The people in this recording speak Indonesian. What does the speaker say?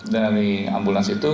dari ambulans itu